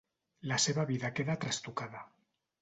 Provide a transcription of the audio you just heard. La seva vida queda trastocada.